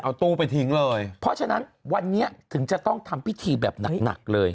เอาตู้ไปทิ้งเลยเพราะฉะนั้นวันนี้ถึงจะต้องทำพิธีแบบหนักหนักเลย